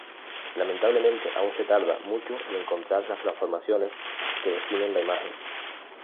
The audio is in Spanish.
Lamentablemente aún se tarda mucho en encontrar las transformaciones que definen la imagen.